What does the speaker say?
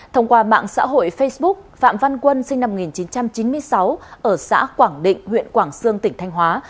thông qua mạng xã hội facebook phạm văn quân sinh năm một nghìn chín trăm chín mươi sáu ở xã quảng định huyện quảng sương tỉnh thanh hóa